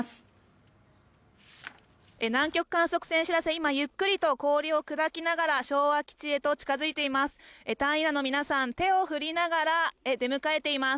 今、ゆっくりと氷を砕きながら昭和基地へと近づいています。